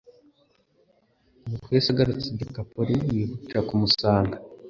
Nuko Yesu agarutse i Dekapoli, bihutira kumusanga,